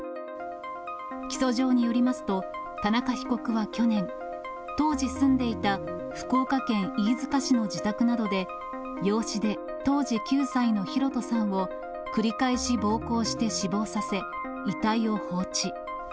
起訴状によりますと、田中被告は去年、当時住んでいた福岡県飯塚市の自宅などで、養子で当時９歳の大翔さんを繰り返し暴行して死亡させ、遺体を放置。